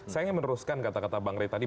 saya ingin meneruskan kata kata bang rey tadi